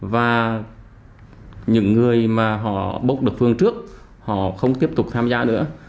và những người mà họ bốc được phương trước họ không tiếp tục tham gia nữa